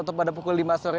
atau pada pukul lima sore